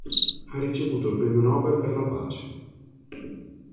Ha ricevuto il Premio Nobel per la Pace.